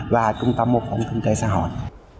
và trung tâm mô phòng kinh tế xã hội